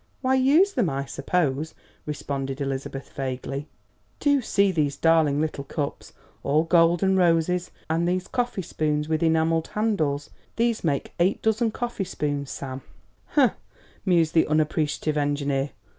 Why use them, I suppose," responded Elizabeth vaguely. "Do see these darling little cups, all gold and roses, and these coffee spoons with enamelled handles these make eight dozen coffee spoons, Sam!" "Hum!" mused the unappreciative engineer.